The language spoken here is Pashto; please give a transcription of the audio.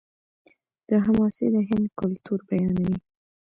دا حماسې د هند کلتور بیانوي.